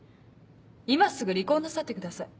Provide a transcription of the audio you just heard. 今すぐ離婚なさってください。